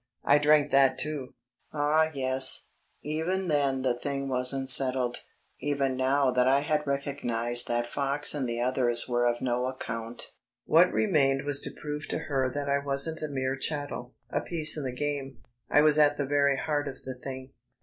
I drank that too. Ah yes even then the thing wasn't settled, even now that I had recognized that Fox and the others were of no account ... What remained was to prove to her that I wasn't a mere chattel, a piece in the game. I was at the very heart of the thing.